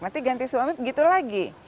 nanti ganti suami begitu lagi